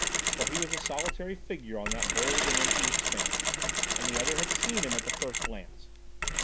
For he was a solitary figure on that bald and empty expanse, and the other had seen him at the first glance.